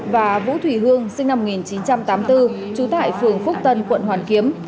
và vũ thủy hương sinh năm một nghìn chín trăm tám mươi bốn trú tại phường phúc tân quận hoàn kiếm